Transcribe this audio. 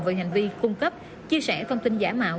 về hành vi cung cấp chia sẻ thông tin giả mạo